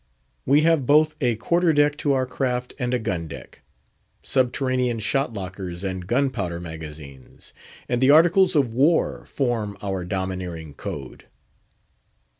We have both a quarter deck to our craft and a gun deck; subterranean shot lockers and gunpowder magazines; and the Articles of War form our domineering code.